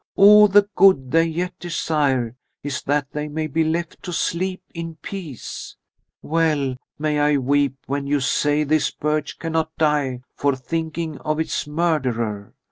All the good they yet desire is that they may be left to sleep in peace. Well may I weep when you say this birch cannot die for thinking of its murderer.